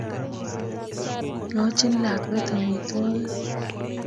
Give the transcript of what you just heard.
Igochi lakwet amitwogik.